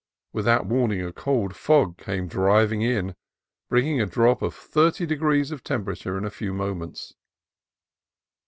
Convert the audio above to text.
Without warning a cold fog came driving in, bringing a drop of thirty degrees of temperature in a few moments.